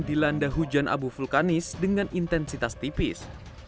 dilanda hujan abu vulkanis dengan intensitas tipis